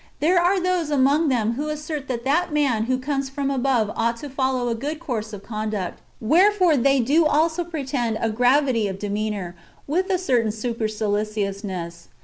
There are those among them who assert that that man who comes from above ought to follow a good course of conduct ; wherefore they do also pretend a gravity [of demeanour] with a certain superciliousness.